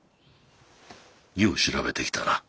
よう調べてきたな。